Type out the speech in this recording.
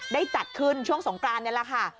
จัดขึ้นช่วงสงกรานนี่แหละค่ะ